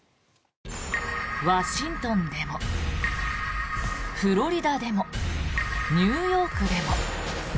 ワシントンでもフロリダでもニューヨークでも。